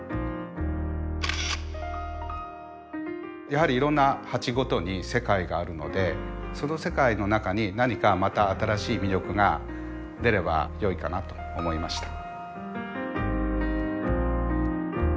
やはりいろんな鉢ごとに世界があるのでその世界の中に何かまた新しい魅力が出ればよいかなと思いました。